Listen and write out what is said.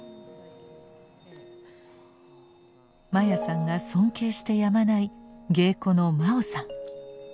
真矢さんが尊敬してやまない芸妓の真生さん。